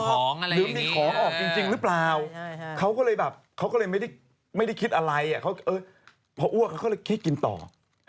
อย่างคล้องอะไรอย่างงี้เสร็จ